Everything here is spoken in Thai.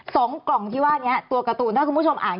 สองกล่องที่ว่านี้ตัวการ์ตูนถ้าคุณผู้ชมอ่าน